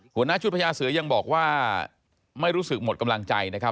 หัวหน้าชุดพญาเสือยังบอกว่าไม่รู้สึกหมดกำลังใจนะครับ